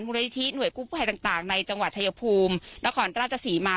นิธิหน่วยกู้ภัยต่างในจังหวัดชายภูมินครราชศรีมา